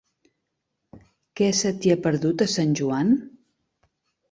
Què se t'hi ha perdut, a Sant Joan?